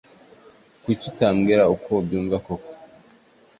Kuki utabwira uko ubyumva koko?